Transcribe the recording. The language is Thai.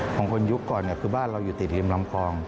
ของคนยุคก่อนคือบ้านเราอยู่ติดริมลำคลอง